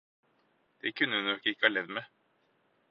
Det kunne vi nok ikke ha levd med.